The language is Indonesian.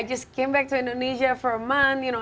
aku baru kembali ke indonesia selama sebulan